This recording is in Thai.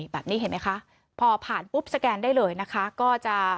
แบบนี้เห็นไหมคะพอผ่านปุ๊บสแกนได้เลยนะคะก็จะ